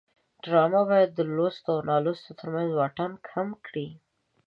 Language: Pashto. ډرامه باید د لوستو او نالوستو ترمنځ واټن کم کړي